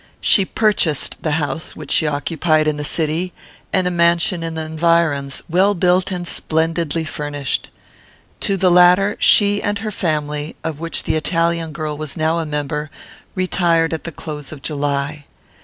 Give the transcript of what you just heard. She purchased the house which she occupied in the city, and a mansion in the environs, well built and splendidly furnished. To the latter, she and her family, of which the Italian girl was now a member, retired at the close of July.